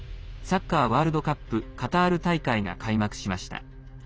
サッカーワールドカップカタール大会が開幕しました。